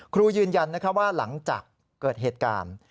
ครูยืนยันว่าหลังจากเกิดเหตุการณ์